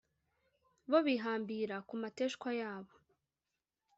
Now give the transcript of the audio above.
bo bihambira ku mateshwa yabo